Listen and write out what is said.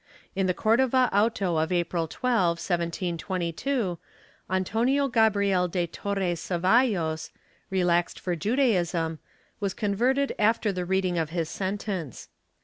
In the Cordova auto of April 12, 1722, Antonio Gabriel de Torre Zavallos, relaxed for Judaism, was con verted after the reading of his sentence.